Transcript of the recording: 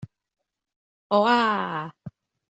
啊呀